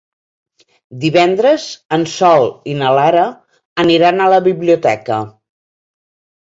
Divendres en Sol i na Lara aniran a la biblioteca.